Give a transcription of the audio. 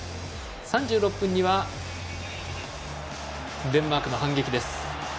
３６分にはデンマークの反撃です。